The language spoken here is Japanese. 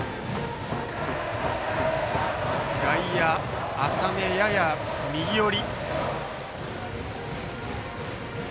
外野浅め、やや右寄り。